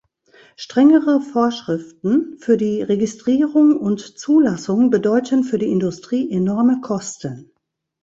Strengere Vorschriften für die Registrierung und Zulassung bedeuten für die Industrie enorme Kosten.